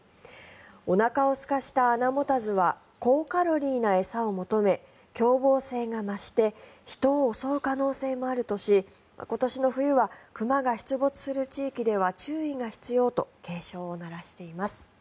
おなかをすかせた穴持たずは高カロリーな餌を求め凶暴性が増して人を襲う可能性もあるとし今年の冬は熊が出没する地域では注意が必要と警鐘を鳴らしています。